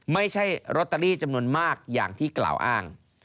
ไม่ใช่ลอตเตอรี่จำนวนมากอย่างที่กล่าวอ้าง